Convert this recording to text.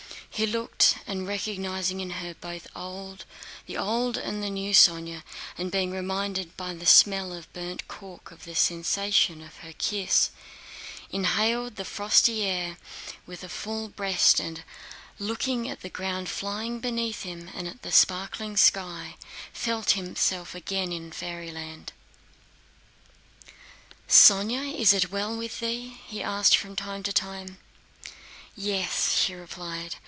He looked and recognizing in her both the old and the new Sónya, and being reminded by the smell of burnt cork of the sensation of her kiss, inhaled the frosty air with a full breast and, looking at the ground flying beneath him and at the sparkling sky, felt himself again in fairyland. "Sónya, is it well with thee?" he asked from time to time. "Yes!" she replied.